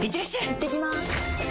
いってきます！